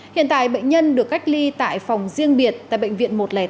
hiện tại bệnh nhân được cách ly tại phòng riêng biệt tại bệnh viện một trăm linh tám